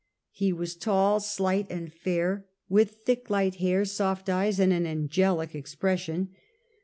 He was tall, slight and fair, with thick light hair, soft eyes and an " angelic " expression.